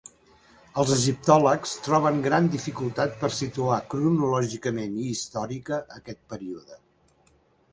Els egiptòlegs troben gran dificultat per a situar cronològicament i històrica aquest període.